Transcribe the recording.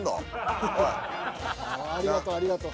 ああありがとうありがとう。